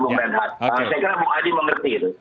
saya kira bung adi mengerti itu